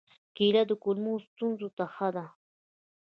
کېله د کولمو ستونزو ته ښه ده.